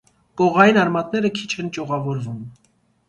Կողային արմատները քիչ են ճյուղավորվում։